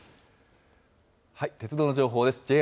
鉄道の情報です。